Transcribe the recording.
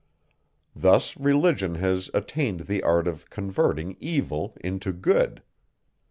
Thus religion has attained the art of converting evil into good!